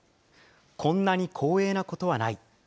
こんなに光栄なことはない。